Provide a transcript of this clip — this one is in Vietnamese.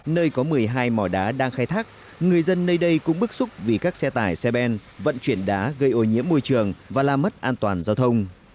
nơi có một mươi hai mỏ đá đang khai thác người dân nơi đây cũng bức xúc vì các xe tải xe ben vận chuyển đá gây ô nhiễm môi trường và làm mất an toàn giao thông